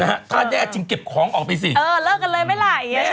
นะฮะถ้าแดดจึงเก็บของออกไปสิเออเลิกกันเลยไม่หล่ายใช่ไหม